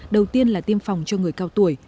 đầu tiên là tiêm phòng cho người cao tuổi